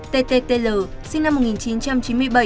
ttl sinh năm một nghìn chín trăm chín mươi bảy